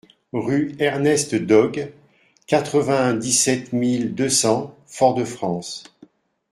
Rue Ernest Dogue, quatre-vingt-dix-sept mille deux cents Fort-de-France